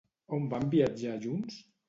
On van viatjar junts?